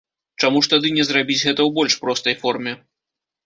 Чаму ж тады не зрабіць гэта ў больш простай форме?